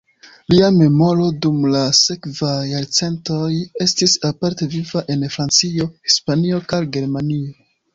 Lia memoro dum la sekvaj jarcentoj estis aparte viva en Francio, Hispanio kaj Germanio.